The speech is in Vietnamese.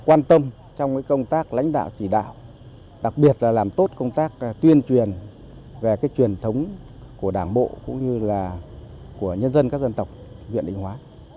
ateca định hóa là một truyền về truyền thống của đảng bộ cũng như là của nhân dân các dân tộc viện định hóa